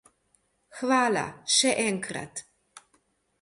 Hvala še enkrat.